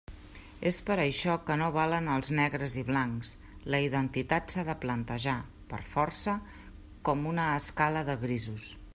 És per això que no valen els negres i blancs, la identitat s'ha de plantejar, per força, com una escala de grisos.